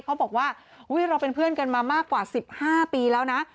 เขาบอกว่าเราเป็นเพื่อนกันมามากกว่า๑๕ปีแล้วนะ